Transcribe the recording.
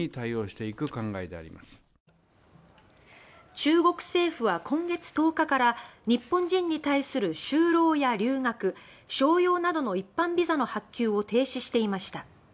中国政府は今月１０日から日本人に対する就労や留学、商用などの一般ビザの発給を停止していました。